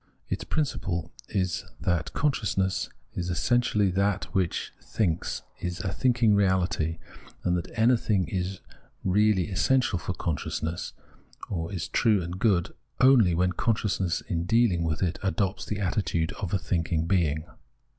Its principle is that con sciousness is essentially that which thinks, is a thinking reahty, and that anything is really essential for con sciousness, or is true and good, only when consciousness in dealing with it adopts the attitude of a thinking being.